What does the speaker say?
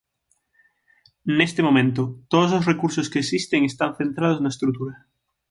Neste momento, todos os recursos que existen están centrados na estrutura.